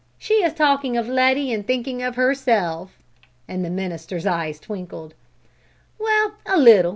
She is talking of Letty and thinking of herself!" And the minister's eye twinkled. "Well, a little!"